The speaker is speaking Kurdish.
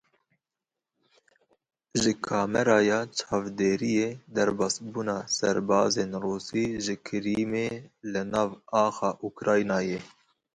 Ji kameraya çavdêriyê derbasbûna serbazên Rûsî ji Kirimê li nav axa Ukraynayê.